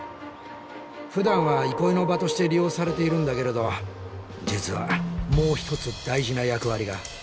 ふだんは憩いの場として利用されているんだけれど実はもう一つ大事な役割が。